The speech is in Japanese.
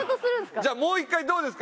じゃあもう１回どうですか？